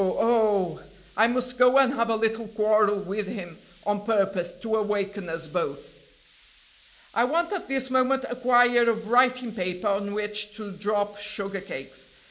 oh! I must go and have a little quarrel with him on purpose to awaken us both. "I want at this moment a quire of writing paper on which to drop sugar cakes.